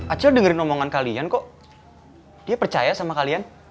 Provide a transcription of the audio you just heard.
aceh dengerin omongan kalian kok dia percaya sama kalian